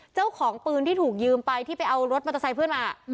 เจ้าของปืนที่ถูกยืมไปที่ไปเอารถมอเตอร์ไซค์เพื่อนมา